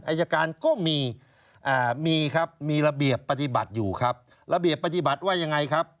อายการก็มีมีครับมีระเบียบปฏิบัติอยู่ครับระเบียบปฏิบัติว่ายังไงครับ